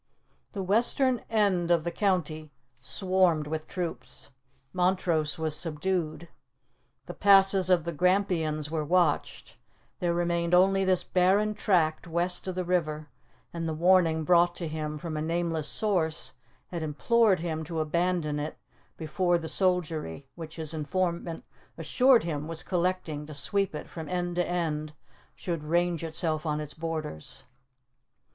The western end of the county swarmed with troops. Montrose was subdued; the passes of the Grampians were watched; there remained only this barren tract west of the river; and the warning brought to him from a nameless source had implored him to abandon it before the soldiery, which his informant assured him was collecting to sweep it from end to end, should range itself on its borders.